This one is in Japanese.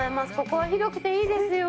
ここは広くていいですよ。